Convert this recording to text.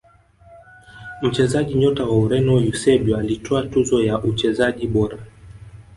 mchezaji nyota wa Ureno eusebio alitwaa tuzo ya uchezaji bora